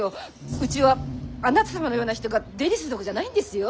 うちはあなた様のような人が出入りするとこじゃないんですよ。